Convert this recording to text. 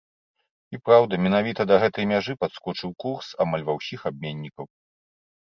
І праўда, менавіта да гэтай мяжы падскочыў курс амаль ва ўсіх абменнікаў.